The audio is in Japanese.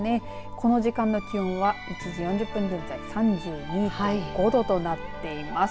この時間の気温は１時４０分現在３２．５度となっています。